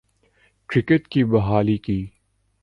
cricket کی بحالی کی